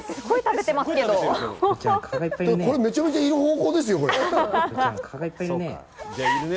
これ、めちゃくちゃいる方向ですよ。